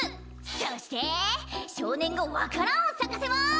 そしてしょうねんがわか蘭をさかせます！